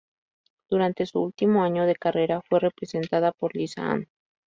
Durante su último año de carrera fue representada por Lisa Ann.